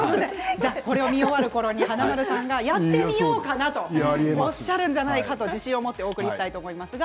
華丸さんやってみようかなとおっしゃるんじゃないかと自信を持ってお送りしたいと思います。